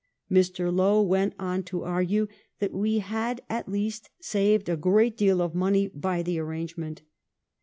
Mr. Lowe went on to argue that we had at least saved a great deal of money by the arrangement.